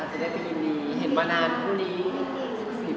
จะได้ไปยินดีเห็นมานานพรุ่งนี้